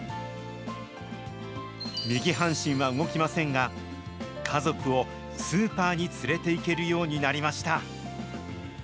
右半身は動きませんが、家族をスーパーに連れていけるようになりました。